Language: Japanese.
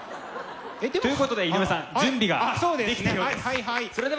ということで井上さん準備ができてるようです。